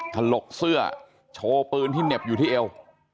ถลกเสื้อโชว์ปืนที่เหน็บอยู่ที่เอว